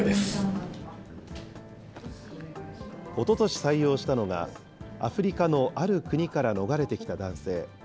おととし採用したのが、アフリカのある国から逃れてきた男性。